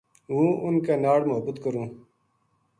ہوں اُنھ کے ناڑ محبت کروں ‘‘